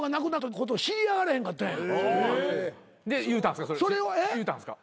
・で言うたんすか？